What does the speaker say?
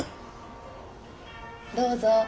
どうぞ。